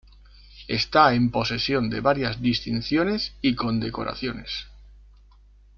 Está en posesión de varias distinciones y condecoraciones.